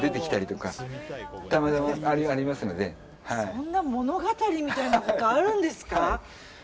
そんな物語みたいなことあるんですか。